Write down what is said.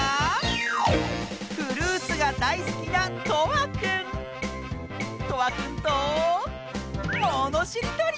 フルーツがだいすきなとわくんとものしりとり！